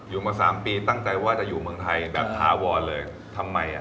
อยู่มาสามปีตั้งใจว่าจะอยู่เมืองไทยแบบถาวรเลยทำไมอ่ะ